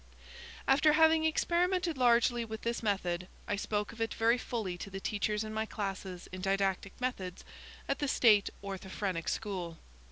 After having experimented largely with this method, I spoke of it very fully to the teachers in my classes in didactic methods at the State Orthophrenic School.